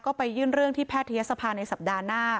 ก็ไปยื่นเรื่องที่แพทยศภาในสัปดาห์หน้า